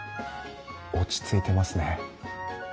落ち着いてますね。